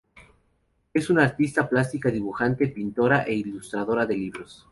Es una artista plástica, dibujante, pintora e ilustradora de libros.